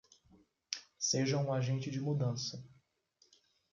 Seja um agente de mudança